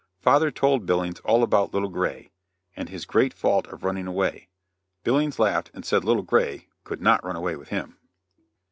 Father told Billings all about Little Gray, and his great fault of running away. Billings laughed and said Little Gray could not run away with him.